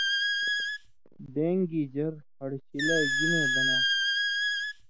ڈېن٘گی ژر (ہڑہۡ شِلائ) گِنے بناں تھو؟